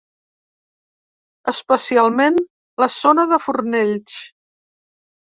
Especialment la zona de Fornells.